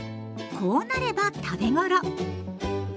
こうなれば食べ頃。